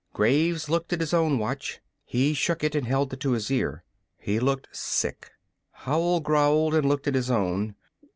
Graves looked at his own watch. He shook it and held it to his ear. He looked sick. Howell growled and looked at his own.